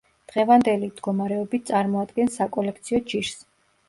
დღევანდელი მდგომარეობით წარმოადგენს საკოლექციო ჯიშს.